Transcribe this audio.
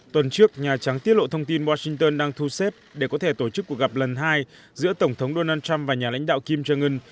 tuần trước nhà trắng tiết lộ thông tin washington đang thu xếp để có thể tổ chức cuộc gặp lần hai giữa tổng thống donald trump và nhà lãnh đạo kim jong un